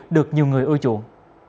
được nhiều người ưa chuộng